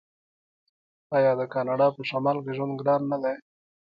آیا د کاناډا په شمال کې ژوند ګران نه دی؟